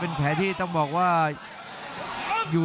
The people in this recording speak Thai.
โอ้โหโอ้โหโอ้โหโอ้โห